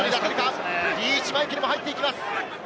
リーチ・マイケルも入っていきます。